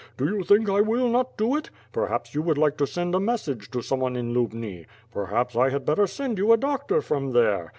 Do you think I will not do it? Perhaps you would like tx) send a message to some one in Lubni Perhaps I had better send you a doctor from, there.